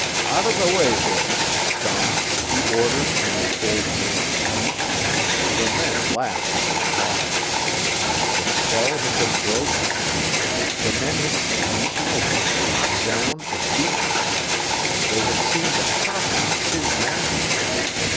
"Out of the way there, you scum!" he ordered, in his old manner. The men laughed in reply. The spell had been broken. The men had seen the Snow Burner knocked down and beaten. They had seen that Toppy was his master.